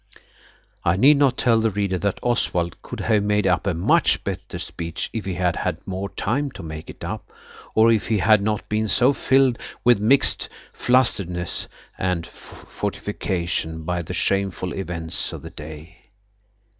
I need not tell the reader that Oswald could have made up a much better speech if he had had more time to make it up in, or if he had not been so filled with mixed flusteredness and furification by the shameful events of the day.